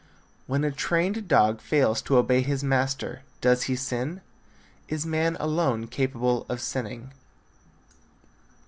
When a trained dog fails to obey his master, does he sin? Is man alone capable of sinning?